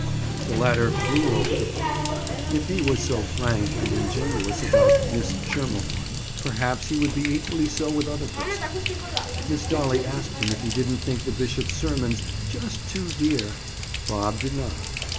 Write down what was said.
The latter flew over to Bob. If he was so "frank" and ingenuous about Miss Schermerhorn, perhaps he would be equally so with other persons. Miss Dolly asked him if he didn't think the bishop's sermons "just too dear?" Bob did not.